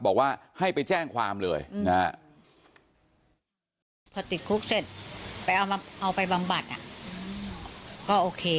บอกว่าให้ไปแจ้งความเลยพอติดคุกเสร็จไปเอาไปบำบัดก็โอเค